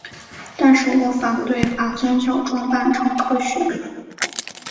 但是我反对把宗教装扮成科学。